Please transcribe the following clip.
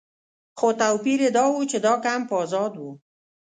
خو توپیر یې دا و چې دا کمپ آزاد و.